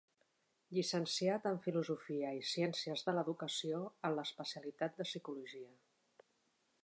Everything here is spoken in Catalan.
Llicenciat en Filosofia i Ciències de l'Educació en l'especialitat de Psicologia.